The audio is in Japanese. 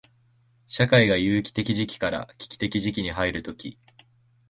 社会が有機的時期から危機的時期に入るとき、